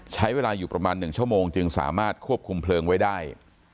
ใช้เวลาอยู่ประมาณ๑ชั่วโมงจึงสามารถควบคุมเพลิงไว้ได้